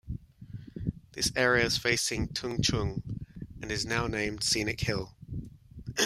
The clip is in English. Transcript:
This area is facing Tung Chung and is now named "Scenic Hill".